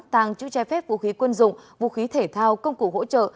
tàng chữ che phép vũ khí quân dụng vũ khí thể thao công cụ hỗ trợ